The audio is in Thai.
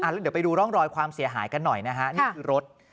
แล้วเดี๋ยวไปดูร่องรอยความเสียหายกันหน่อยนะฮะนี่คือรถ